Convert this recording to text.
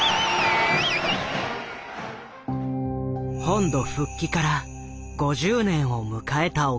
本土復帰から５０年を迎えた沖縄。